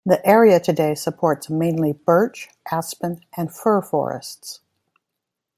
The area today supports mainly birch, aspen, and fir forests.